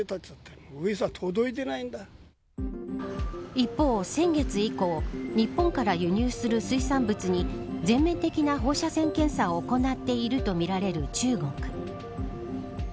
一方、先月以降日本から輸入する水産物に全面的な放射線検査を行っているとみられる中国。